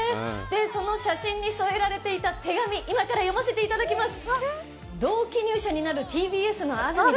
その写真に添えられていた手紙、今から読ませていただきます。